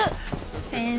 先生